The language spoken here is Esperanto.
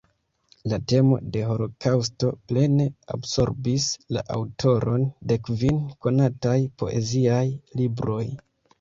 La temo de holokaŭsto plene absorbis la aŭtoron de kvin konataj poeziaj libroj.